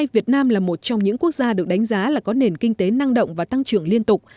việt nam là một trong những quốc gia được đánh giá là có nền kinh tế năng động và tăng trưởng liên tục